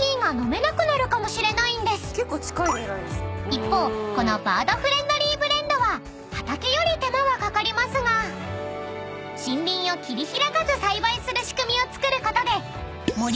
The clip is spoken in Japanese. ［一方このバードフレンドリーブレンドは畑より手間はかかりますが森林を切り開かず栽培する仕組みをつくることで］